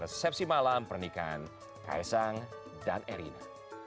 resepsi malam pernikahan kaisang dan erina